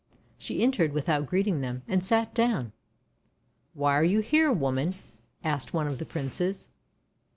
She entered without greeting them, and sat down. "Why are you here, Woman?' asked one of the Princes.